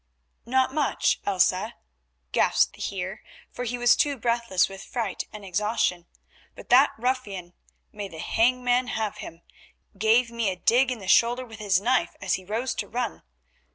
"Not much, Elsa," gasped the Heer, for he was still breathless with fright and exhaustion, "but that ruffian—may the hangman have him—gave me a dig in the shoulder with his knife as he rose to run.